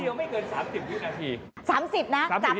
นี่เดี๋ยวไม่เกิน๓๐วินาที